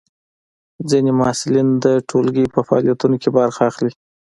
ځینې محصلین د ټولګي په فعالیتونو کې برخه اخلي.